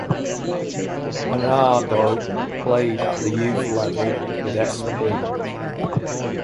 Arnaldo played at the youth level with Sp.